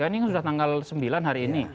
ini sudah tanggal sembilan hari ini